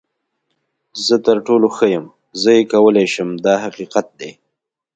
زه تر ټولو ښه یم، زه یې کولی شم دا حقیقت دی.